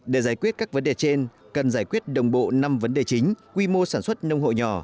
để giải quyết các vấn đề trên cần giải quyết đồng bộ năm vấn đề chính quy mô sản xuất nông hội nhỏ